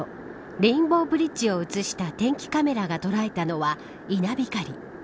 レインボーブリッジを映した天気カメラが捉えたのは稲光。